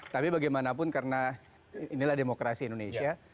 tapi bagaimanapun karena inilah demokrasi indonesia